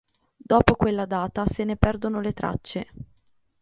Dopo quella data se ne perdono le tracce.